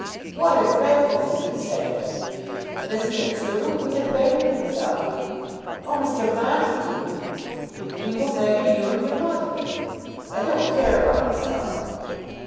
"What a dreadful thing to say!" "But isn't it true? He has beggared himself." "Oh, Mr. Montague." "And he will beggar you and your mother." "I don't care about myself."